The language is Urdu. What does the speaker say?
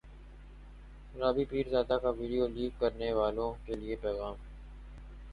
رابی پیرزادہ کا ویڈیو لیک کرنیوالوں کے لیے پیغام